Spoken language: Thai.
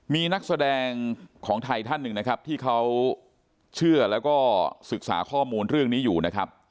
มีนักแสดงของไทยท่านหนึ่งนะครับที่เขาเชื่อแล้วก็ศึกษาข้อมูลเรื่องนี้อยู่นะครับ